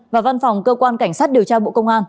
và văn phòng cơ quan cảnh sát điều tra bộ công an